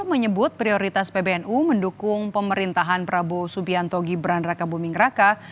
menyebut prioritas pbnu mendukung pemerintahan prabowo subianto gibran raka buming raka